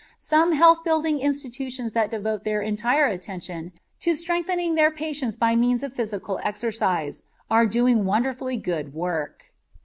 Some health building institutions that devote their entire attention to strengthening their patients by means of physical exercise are doing wonderfully good work.